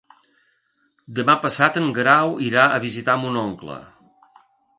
Demà passat en Guerau irà a visitar mon oncle.